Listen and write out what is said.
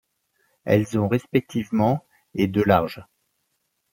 Elles ont respectivement et de large.